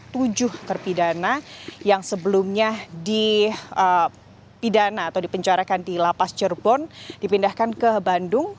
tujuh terpidana yang sebelumnya dipidana atau dipenjarakan di lapas cirebon dipindahkan ke bandung